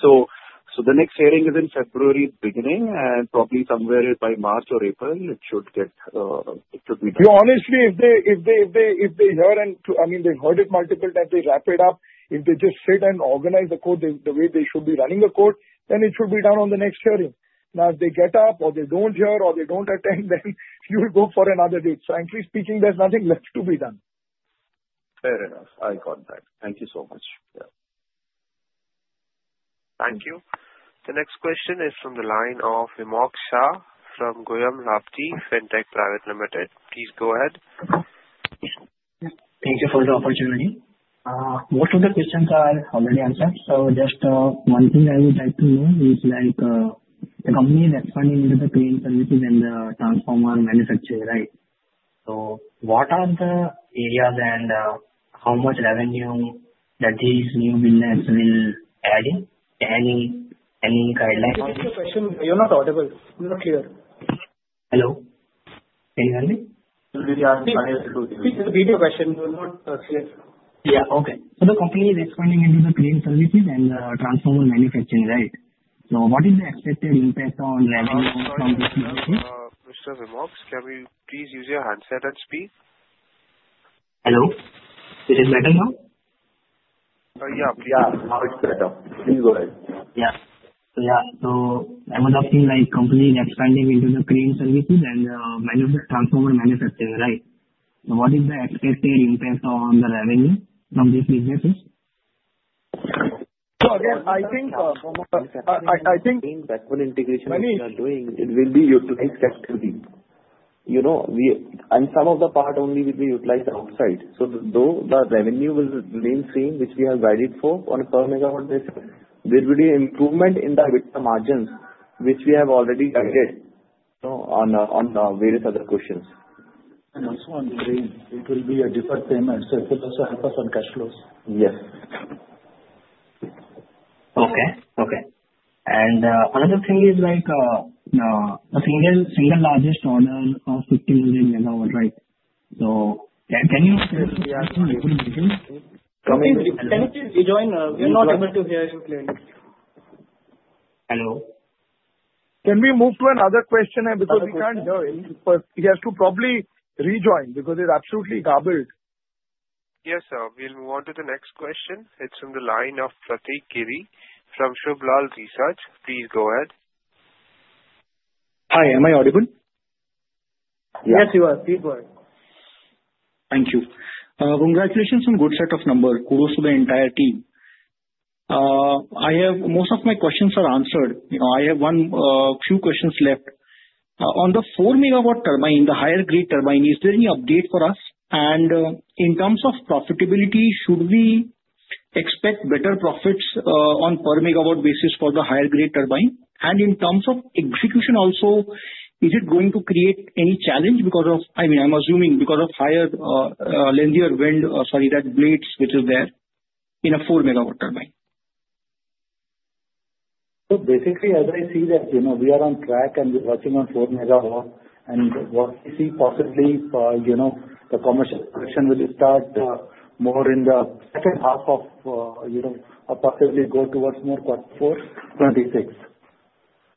So the next hearing is in February beginning, and probably somewhere by March or April, it should be done. Yeah. Honestly, if they hear and I mean, they've heard it multiple times, they wrap it up. If they just sit and organize the court the way they should be running the court, then it should be done on the next hearing. Now, if they get up or they don't hear or they don't attend, then you'll go for another date. Frankly speaking, there's nothing left to be done. Fair enough. I got that. Thank you so much. Yeah. Thank you. The next question is from the line of Himanshu Shah from Goel Rathi Fintech Private Limited. Please go ahead. Thank you for the opportunity. Most of the questions are already answered. So just one thing I would like to know is the company that's funding into the crane services and the transformer manufacturer, right? So what are the areas and how much revenue that these new businesses will add in? Any guidelines? One quick question. You're not audible. Not clear. Hello? Can you hear me? Please repeat your question. You're not clear. Yeah. Okay. So the company is expanding into the crane services and the transformer manufacturing, right? So what is the expected impact on revenue from this? Mr. Himoks, can you please use your handset and speak? Hello? Is it better now? Yeah. Yeah. Now it's better. Please go ahead. So I'm assuming the company is expanding into the crane services and transformer manufacturing, right? So what is the expected impact on the revenue from these businesses? So again, I think that whole integration which you are doing, it will be utilized sector-wide. And some of the part only will be utilized outside. So though the revenue will remain the same, which we have guided for on a per-megawatt basis, there will be an improvement in the EBITDA margins which we have already guided on various other questions. Also on crane, it will be a deferred payment. It will also help us on cash flows. Yes. Okay. Okay. And another thing is the single largest order of 50 MW, right? So can you say we are not able to hear you? Can we please join? We're not able to hear you clearly. Hello? Can we move to another question? Because we can't hear him. He has to probably rejoin because he's absolutely garbled. Yes, sir. We'll move on to the next question. It's from the line of Prateek Giri from Subh Labh Research. Please go ahead. Hi. Am I audible? Yes, you are. Please go ahead. Thank you. Congratulations on a good set of numbers. Kudos to the entire team. Most of my questions are answered. I have a few questions left. On the 4 MW turbine, the higher-grade turbine, is there any update for us? And in terms of profitability, should we expect better profits on a per-megawatt basis for the higher-grade turbine? And in terms of execution also, is it going to create any challenge because of, I mean, I'm assuming, because of higher, lengthier wind blades which are there in a 4 MW turbine? So basically, as I see that we are on track and working on 4 MW, and what we see possibly, the commercial production will start more in the second half of or possibly go towards more quarter four, 2026.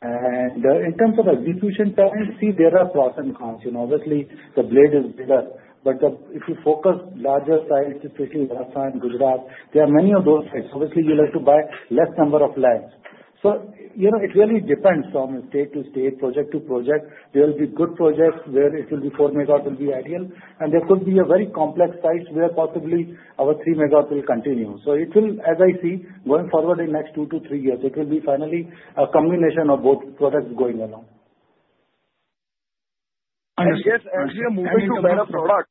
And in terms of execution time, see, there are pros and cons. Obviously, the blade is bigger. But if you focus larger sites, especially Rajasthan, Gujarat, there are many of those sites. Obviously, you like to buy less number of lands. So it really depends from state to state, project to project. There will be good projects where it will be 4 MW will be ideal. And there could be very complex sites where possibly our 3 MW will continue. So it will, as I see, going forward in the next two to three years, it will be finally a combination of both products going along. Yes. As we are moving to better products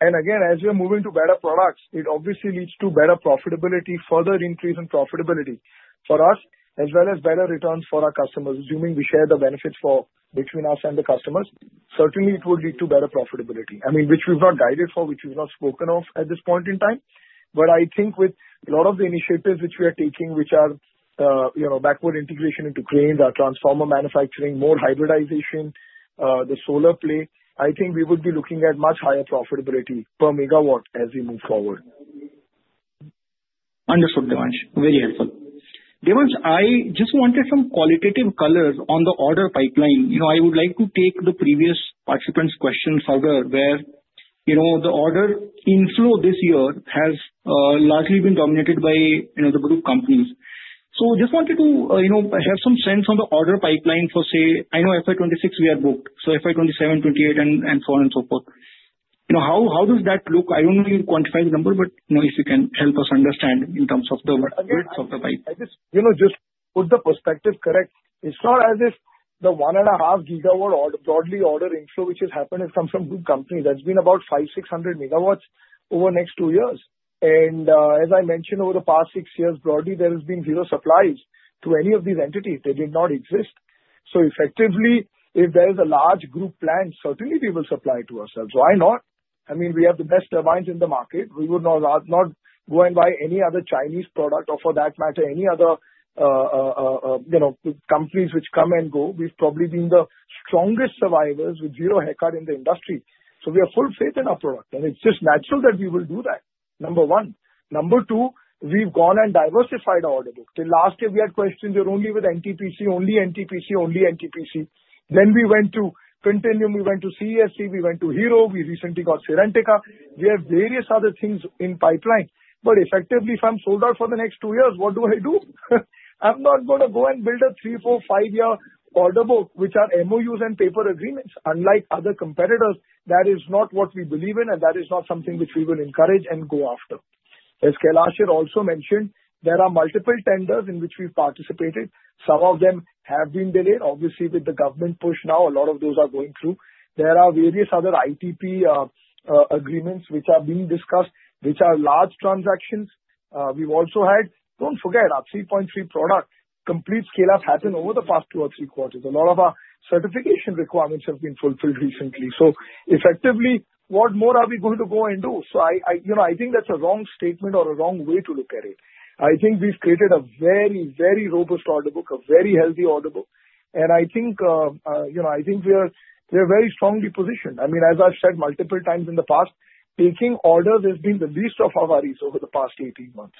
and again, as we are moving to better products, it obviously leads to better profitability, further increase in profitability for us, as well as better returns for our customers, assuming we share the benefits between us and the customers. Certainly, it will lead to better profitability, I mean, which we've not guided for, which we've not spoken of at this point in time. But I think with a lot of the initiatives which we are taking, which are backward integration into cranes, our transformer manufacturing, more hybridization, the solar plate, I think we would be looking at much higher profitability per megawatt as we move forward. Understood, Devansh. Very helpful. Devansh, I just wanted some qualitative colors on the order pipeline. I would like to take the previous participants' questions further, where the order inflow this year has largely been dominated by the group companies. So just wanted to have some sense on the order pipeline for, say, I know FY26 we are booked, so FY27, 28, and so on and so forth. How does that look? I don't know you quantify the number, but if you can help us understand in terms of the worth of the pipeline. Just put the perspective correct. It's not as if the 1.5 GW broadly order inflow which has happened has come from group companies. That's been about 5,600 MW over the next two years, and as I mentioned, over the past six years, broadly, there has been zero supplies to any of these entities. They did not exist, so effectively, if there is a large group plan, certainly we will supply to ourselves. Why not? I mean, we have the best turbines in the market. We would not go and buy any other Chinese product or for that matter, any other companies which come and go. We've probably been the strongest survivors with zero head card in the industry, so we have full faith in our product, and it's just natural that we will do that, number one. Number two, we've gone and diversified our order book. Last year, we had questions that were only with NTPC, only NTPC, only NTPC. Then we went to Continuum. We went to CESC. We went to Hero. We recently got Serentica. We have various other things in pipeline. But effectively, if I'm sold out for the next two years, what do I do? I'm not going to go and build a three, four, five-year order book, which are MOUs and paper agreements, unlike other competitors. That is not what we believe in, and that is not something which we will encourage and go after. As Kailash also mentioned, there are multiple tenders in which we've participated. Some of them have been delayed, obviously, with the government push now. A lot of those are going through. There are various other ITP agreements which are being discussed, which are large transactions. We've also had, don't forget, our 3.3 product. Complete scale-up happened over the past two or three quarters. A lot of our certification requirements have been fulfilled recently. So effectively, what more are we going to go and do? So I think that's a wrong statement or a wrong way to look at it. I think we've created a very, very robust order book, a very healthy order book. And I think we are very strongly positioned. I mean, as I've said multiple times in the past, taking orders has been the least of our worries over the past 18 months.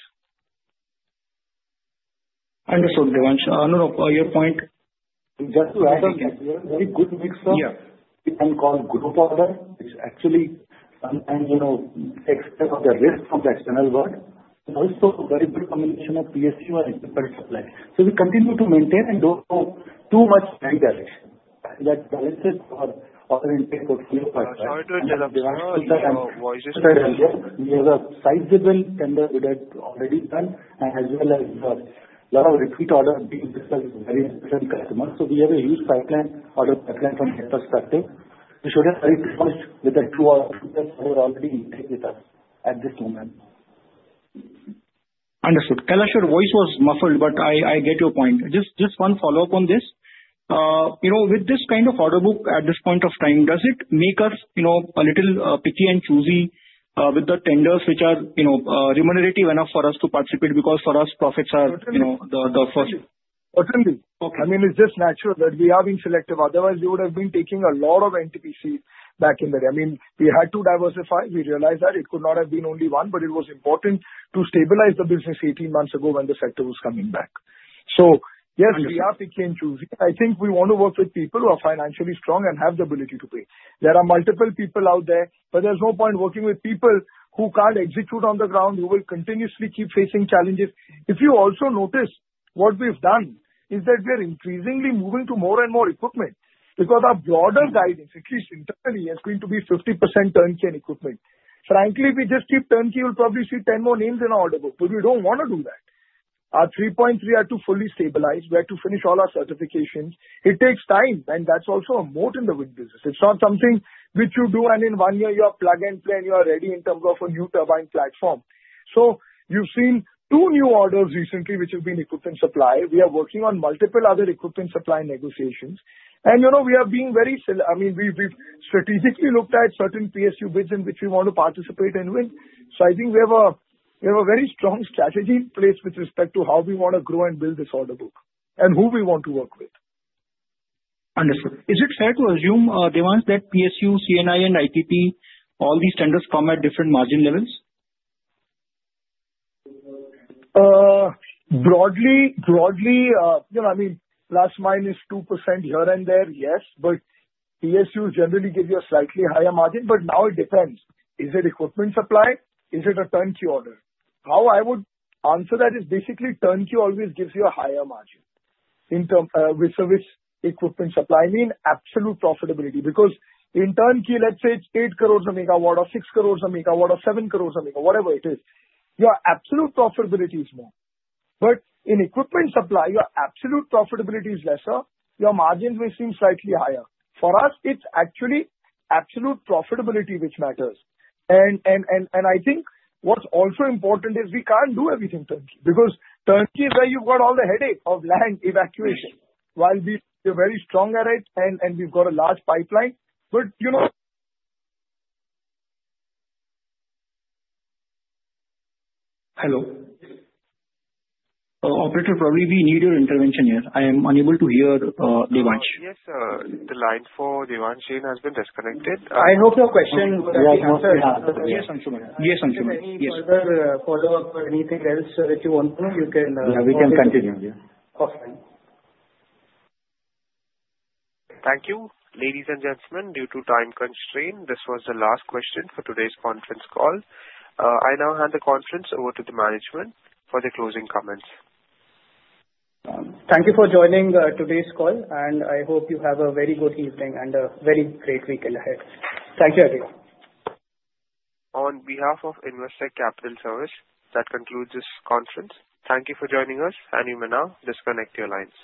Understood, Devansh. On your point. Just to add, we have a very good mix of what we can call group order, which actually takes care of the risk from the external world. Also, very good combination of PSU and separate supply. So we continue to maintain and do too much bank direction. That balances our order intake for three or five years. Sorry to interrupt, Devansh. We have a sizable tender we had already won, as well as a lot of repeat orders being discussed with very different customers. So we have a huge order pipeline from that perspective. We should have very good push with the two orders we have already taken with us at this moment. Understood. Kailash, your voice was muffled, but I get your point. Just one follow-up on this. With this kind of order book at this point of time, does it make us a little picky and choosy with the tenders which are remunerative enough for us to participate? Because for us, profits are the first. Certainly. I mean, it's just natural that we are being selective. Otherwise, we would have been taking a lot of NTPCs back in the day. I mean, we had to diversify. We realized that it could not have been only one, but it was important to stabilize the business 18 months ago when the sector was coming back. So yes, we are picky and choosy. I think we want to work with people who are financially strong and have the ability to pay. There are multiple people out there, but there's no point working with people who can't execute on the ground, who will continuously keep facing challenges. If you also notice, what we've done is that we are increasingly moving to more and more equipment because our broader guidance, at least internally, has been to be 50% turnkey and equipment. Frankly, if we just keep turnkey, we'll probably see 10 more names in our order book. But we don't want to do that. Our 3.3 had to fully stabilize. We had to finish all our certifications. It takes time, and that's also a moat in the wind business. It's not something which you do, and in one year, you are plug and play, and you are ready in terms of a new turbine platform. So you've seen two new orders recently which have been equipment supply. We are working on multiple other equipment supply negotiations. And we are being very, I mean, we've strategically looked at certain PSU bids in which we want to participate and win. So I think we have a very strong strategy in place with respect to how we want to grow and build this order book and who we want to work with. Understood. Is it fair to assume, Devansh, that PSU, C&I, and ITP, all these tenders come at different margin levels? Broadly, I mean, plus minus 2% here and there, yes. But PSUs generally give you a slightly higher margin. But now it depends. Is it equipment supply? Is it a turnkey order? How I would answer that is basically turnkey always gives you a higher margin with equipment supply. I mean, absolute profitability. Because in turnkey, let's say it's 8 crores a megawatt or 6 crores a megawatt or 7 crores a megawatt, whatever it is, your absolute profitability is more. But in equipment supply, your absolute profitability is lesser. Your margins may seem slightly higher. For us, it's actually absolute profitability which matters. And I think what's also important is we can't do everything turnkey. Because turnkey is where you've got all the headache of land evacuation. While we are very strong at it, and we've got a large pipeline. But. Hello? Operator, probably we need your intervention here. I am unable to hear Devansh. Yes, the line for Devansh Jain has been disconnected. I hope your question. Yes, Anshuman. Yes, Anshuman. Further follow-up or anything else that you want to know, you can. Yeah, we can continue. Okay. Thank you. Ladies and gentlemen, due to time constraint, this was the last question for today's conference call. I now hand the conference over to the management for their closing comments. Thank you for joining today's call. I hope you have a very good evening and a very great weekend ahead. Thank you again. On behalf of Investec Capital Services, that concludes this conference. Thank you for joining us. Everyone, disconnect your lines.